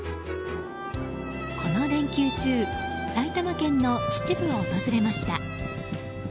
この連休中埼玉県の秩父を訪れました。